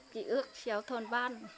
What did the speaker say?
chị ước chéo thôn ban